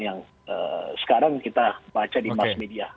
yang sekarang kita baca di mass media